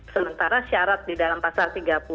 sementara syarat di dalam pasal tiga puluh